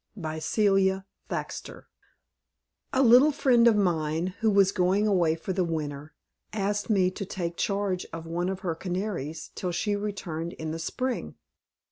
By Celia Thaxter A little friend of mine, who was going away for the winter, asked me to take charge of one of her canaries till she returned in the spring.